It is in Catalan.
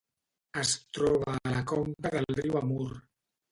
Es troba a la conca del riu Amur.